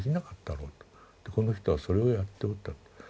この人はそれをやっておった。